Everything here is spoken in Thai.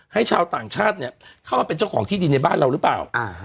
ชาวต่างชาติเนี่ยเข้ามาเป็นเจ้าของที่ดินในบ้านเราหรือเปล่า